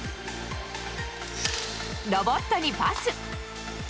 ロボットにパス。